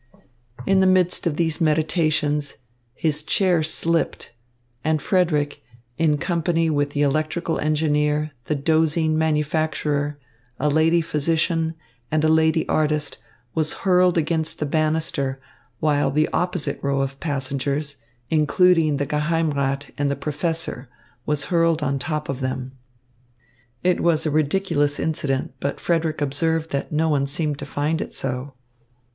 In the midst of these meditations, his chair slipped, and Frederick, in company with the electrical engineer, the dozing manufacturer, a lady physician, and a lady artist, was hurled against the banister, while the opposite row of passengers, including the Geheimrat and the professor, was hurled on top of them. It was a ridiculous incident, but Frederick observed that no one seemed to find it so.